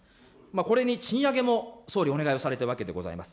これに賃上げも、総理、お願いをされたわけでございます。